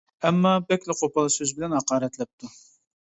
ئەمما بەكلا قوپال سۆز بىلەن ھاقارەتلەپتۇ.